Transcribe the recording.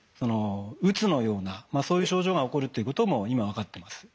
うつのようなそういう症状が起こるということも今分かっています。